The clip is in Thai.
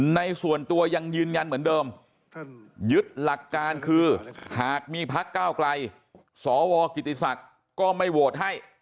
ในส่วนตัวยังยืนยันเหมือนเดิมยึดหลักการคือหากมีพักก้าวไกลสวกิติศักดิ์ก็ไม่โหวตให้